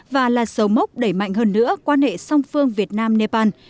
và là sầu mốc đẩy mạnh hơn nữa quan hệ song phương việt nam nepal